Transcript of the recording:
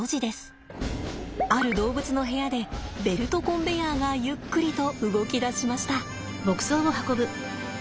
ある動物の部屋でベルトコンベヤーがゆっくりと動き出しました。